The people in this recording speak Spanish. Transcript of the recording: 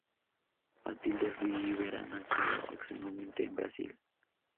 Matilde Rivera nació ocasionalmente en Brasil.